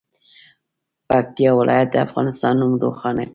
پکتیکا ولایت د افغانستان نوم روښانه کړي.